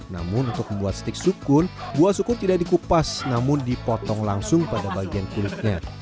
namun untuk membuat stik sukun buah sukun tidak dikupas namun dipotong langsung pada bagian kulitnya